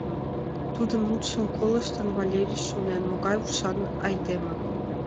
Тудын мутшым колыштын, Валерий шонен: «Могай ушан айдеме!